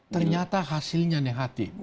ternyata hasilnya negatif